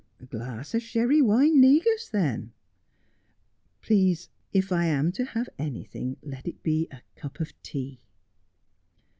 ' A glass of sherry wine negus, then ?'' Please, if I am to have anything, let it be a cup of tea.'